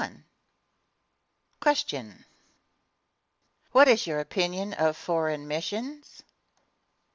Question. What is your opinion of foreign missions?